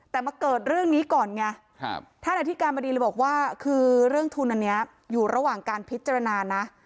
แต่มาเกิดเรื่องนี้ก่อนไงท่านอธิการบดีเลยบอกว่าคือเรื่องทุนอันนี้อยู่ระหว่างการพิจารณานะ